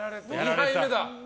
２敗目だ。